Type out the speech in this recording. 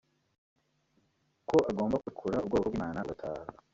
ko agomba kurekura ubwoko bw’Imana bugataha